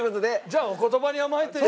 じゃあお言葉に甘えて１１。